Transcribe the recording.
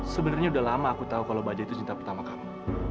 sebenernya udah lama aku tau kalo baja itu cinta pertama kamu